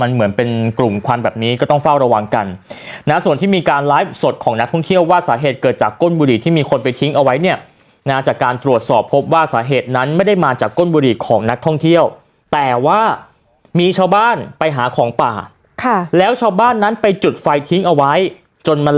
มันเหมือนเป็นกลุ่มควันแบบนี้ก็ต้องเฝ้าระวังกันนะฮะส่วนที่มีการไลฟ์สดของนักท่องเที่ยวว่าสาเหตุเกิดจากก้นบุรีที่มีคนไปทิ้งเอาไว้เนี้ยนะจากการตรวจสอบพบว่าสาเหตุนั้นไม่ได้มาจากก้นบุรีของนักท่องเที่ยวแต่ว่ามีชาวบ้านไปหาของป่าค่ะแล้วชาวบ้านนั้นไปจุดไฟทิ้งเอาไว้จนมั